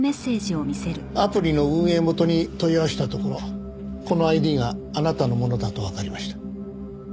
アプリの運営元に問い合わせたところこのＩＤがあなたのものだとわかりました。